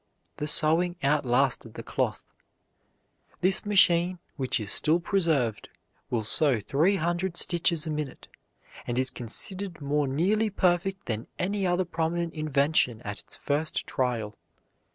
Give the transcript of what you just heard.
The sewing outlasted the cloth. This machine, which is still preserved, will sew three hundred stitches a minute, and is considered more nearly perfect than any other prominent invention at its first trial.